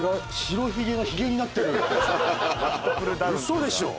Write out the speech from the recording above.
嘘でしょ？